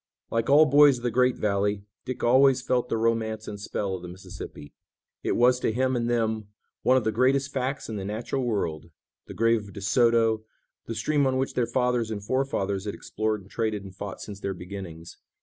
Like all boys of the great valley, Dick always felt the romance and spell of the Mississippi. It was to him and them one of the greatest facts in the natural world, the grave of De Soto, the stream on which their fathers and forefathers had explored and traded and fought since their beginnings.